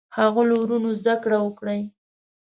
ښاغلو وروڼو زده کړه وکړئ.